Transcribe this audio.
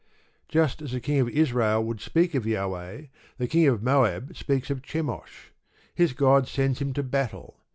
Just as a King of Israel would speak of Jahweh, the King of Moab speaks of Chemosh. His god sends him to battle.